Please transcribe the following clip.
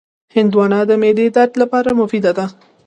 هندوانه د معدې درد لپاره مفیده ده.